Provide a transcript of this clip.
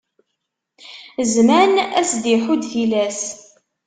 Zzman ad s-d-iḥudd tilas.